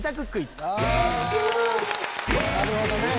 なるほどね。